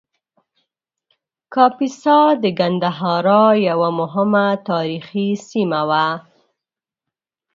کاپیسا د ګندهارا یوه مهمه تاریخي سیمه وه